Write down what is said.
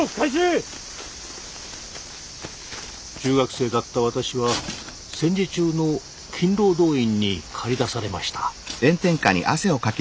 中学生だった私は戦時中の勤労動員に駆り出されました。